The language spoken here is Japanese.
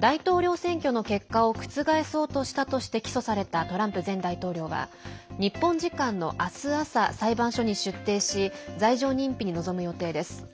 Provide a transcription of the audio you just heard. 大統領選挙の結果を覆そうとしたとして起訴されたトランプ前大統領は日本時間の明日朝、裁判所に出廷し罪状認否に臨む予定です。